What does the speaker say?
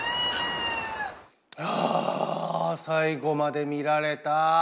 ああ最後まで見られた。